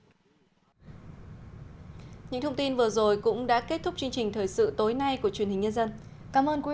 những thông tin vừa rồi cũng đã kết thúc chương trình thời sự tối nay của truyền hình nhân dân cảm ơn